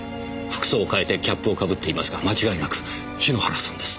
服装を変えてキャップをかぶっていますが間違いなく桧原さんです。